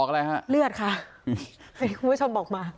เหลือครับ